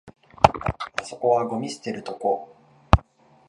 あそこはゴミ捨てるとこ